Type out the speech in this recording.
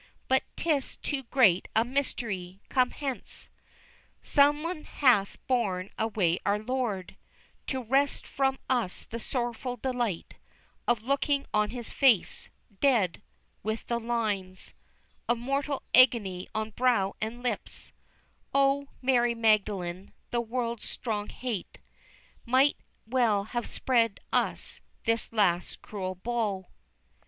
But, 'tis too great a mystery. Come hence, Someone hath borne away our Lord, To wrest from us the sorrowful delight Of looking on His face, dead, with the lines Of mortal agony on brow and lips, Oh, Mary Magdalene, the world's strong hate Might well have spared us this last cruel blow!